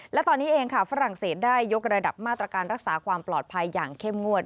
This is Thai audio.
และตอนนี้เองค่ะฝรั่งเศสได้ยกระดับมาตรการรักษาความปลอดภัยอย่างเข้มงวด